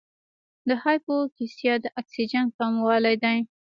د هایپوکسیا د اکسیجن کموالی دی.